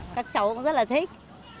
các cháu cũng rất là thích